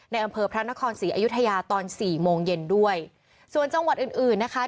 อำเภอพระนครศรีอยุธยาตอนสี่โมงเย็นด้วยส่วนจังหวัดอื่นอื่นนะคะ